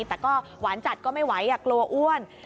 แต่ก็หวานจัดก็ไม่ไหวกลัวอ้วน